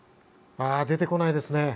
出てこないですね。